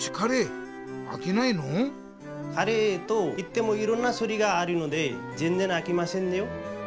カレーといってもいろんなしゅるいがあるのでぜんぜんあきませんよ。